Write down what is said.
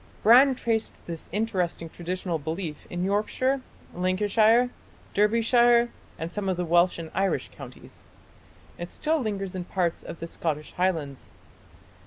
Brand traced this interesting traditional belief in Yorkshire, Lancashire, Derbyshire, and some of the Welsh and Irish counties. It still lingers in parts of the Scottish Highlands.